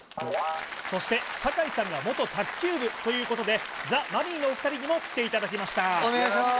そして酒井さんが元卓球部ということでザ・マミィのお二人にも来ていただきましたお願いします